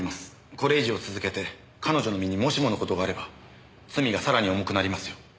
これ以上続けて彼女の身にもしもの事があれば罪がさらに重くなりますよ。